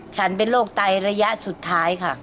ฉันเป็นโรคไตระยะสุดท้ายค่ะ